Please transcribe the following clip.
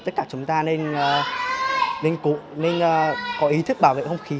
tất cả chúng ta nên cụ nên có ý thức bảo vệ không khí